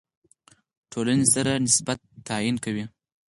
ټولنې سره نسبت تعیین کوي.